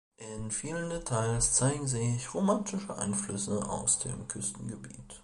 In vielen Details zeigen sich romanische Einflüsse aus dem Küstengebiet.